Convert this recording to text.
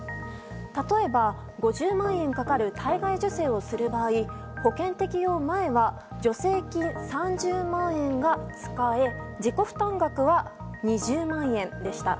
例えば５０万円かかる体外受精をする場合保険適用前は助成金３０万円が使え自己負担額は２０万円でした。